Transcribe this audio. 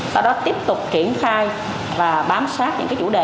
sau đó tiếp tục triển khai và bám sát những chủ đề